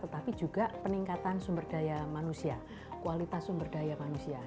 tetapi juga peningkatan sumber daya manusia kualitas sumber daya manusia